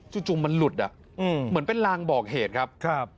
จู่มันหลุดเหมือนเป็นลางบอกเหตุครับ